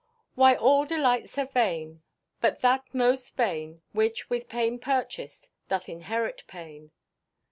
"Why, all delights are vain; but that most vain, Which, with pain purchased, doth inherit pain."